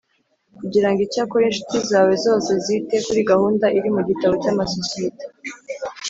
Kujyira ngo Icyakora incuti zawe zose zite kuri gahunda iri mu gitabo cy amasosiyete